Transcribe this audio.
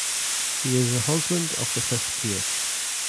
He is the husband of the fifth case.